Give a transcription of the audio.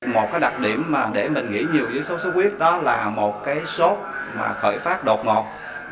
một cái đặc điểm mà để mình nghĩ nhiều với sốt xuất huyết đó là một cái sốt mà khởi phát đột ngột